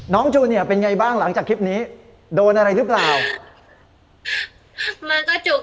น้องจูเนี่ยเป็นไงบ้างหลังจากคลิปนี้โดนอะไรหรือเปล่ามันก็จุก